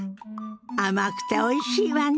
甘くておいしいわね。